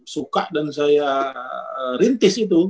suka dan saya rintis itu